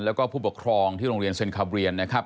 แล้วก็ผู้ปกครองที่โรงเรียนเซ็นคาเบียนนะครับ